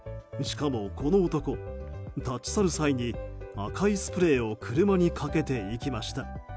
しかも、この男立ち去る際に赤いスプレーを車にかけていきました。